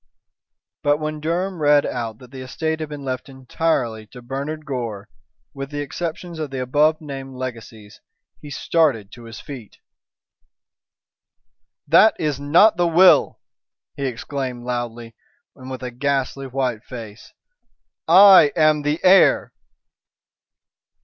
But when Durham read out that the estate had been left entirely to Bernard Gore, with the exceptions of the above named legacies, he started to his feet. "That is not the will!" he exclaimed loudly, and with a ghastly white face. "I am the heir."